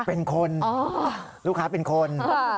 เป็นคนลูกค้าเป็นคน